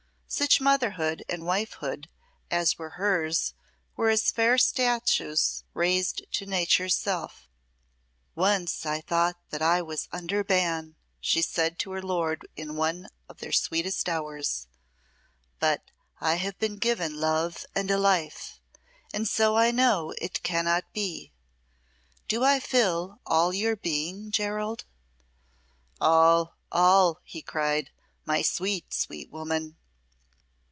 Such motherhood and wifehood as were hers were as fair statues raised to Nature's self. "Once I thought that I was under ban," she said to her lord in one of their sweetest hours; "but I have been given love and a life, and so I know it cannot be. Do I fill all your being, Gerald?" "All, all!" he cried, "my sweet, sweet woman."